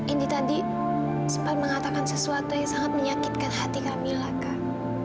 indi tadi sempat mengatakan sesuatu yang sangat menyakitkan hati kami lah kak